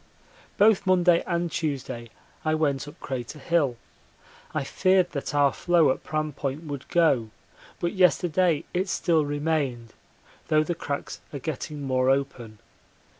Both Monday and Tuesday I went up Crater Hill. I feared that our floe at Pram Point would go, but yesterday it still remained, though the cracks are getting more open.